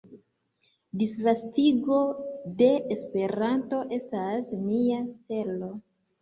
Disvastigo de Esperanto estas nia celo.